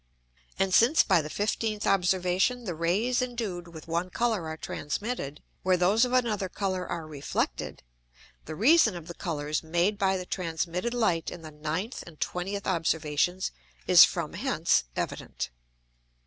And since by the 15th Observation the Rays endued with one Colour are transmitted, where those of another Colour are reflected, the reason of the Colours made by the transmitted Light in the 9th and 20th Observations is from hence evident.